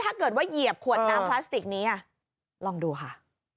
ถ้าเกิดว่าเหยียบขวดน้ำพลาสติกนี้ลองดูค่ะ